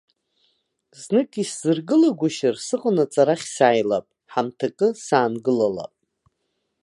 Знык исзыргылагәышьар, сыҟанаҵ арахь сааилап, ҳамҭакгьы саангылалап.